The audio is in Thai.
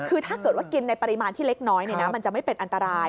คือถ้าเกิดว่ากินในปริมาณที่เล็กน้อยมันจะไม่เป็นอันตราย